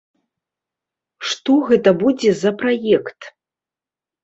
Што гэта будзе за праект?